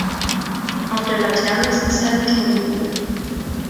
Auf der Laterne sitzt eine Turmkugel.